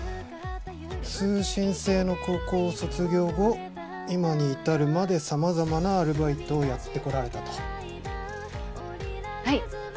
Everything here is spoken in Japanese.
通信制の高校を卒業後今に至るまでさまざまなアルバイトをやってこられたと。